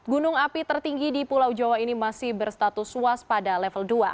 gunung api tertinggi di pulau jawa ini masih berstatus waspada level dua